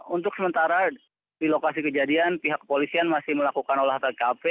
untuk sementara di lokasi kejadian pihak polisian masih melakukan olahraga kp